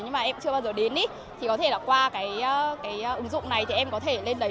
nhưng mà em chưa bao giờ đến thì có thể là qua cái ứng dụng này thì em có thể lên đấy